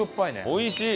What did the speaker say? おいしい！